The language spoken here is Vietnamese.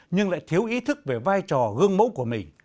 nhưng lại thiếu ý thức về vai trò gương mẫu của mình